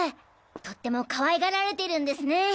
とっても可愛がられてるんですね。